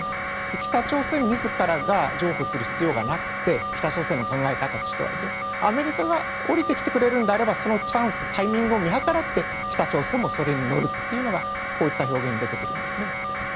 北朝鮮自ら譲歩する必要はなくて北朝鮮の考え方としては。アメリカが下りてきてくれるのであればそのチャンスやタイミングを見計らって北朝鮮もそれに乗るというのがこういった表現に出てくるんですね。